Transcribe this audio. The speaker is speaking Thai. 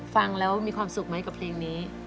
ฟังแล้วมีความสุขไหมกับเพลงนี้